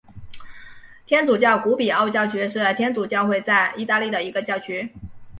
天主教古比奥教区是天主教会在义大利的一个教区。